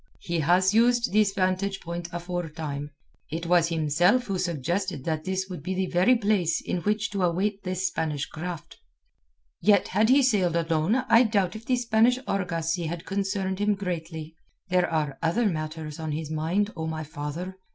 He has used this vantage point afore time. It was himself who suggested that this would be the very place in which to await this Spanish craft." "Yet had he sailed alone I doubt if the Spanish argosy had concerned him greatly. There are other matters on his mind, O my father.